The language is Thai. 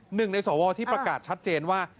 หนึ่งในสวที่ประกาศชัดเจนว่า